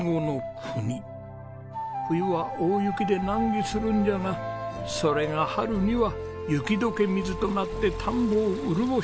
冬は大雪で難儀するんじゃがそれが春には雪解け水となって田んぼを潤してくれる。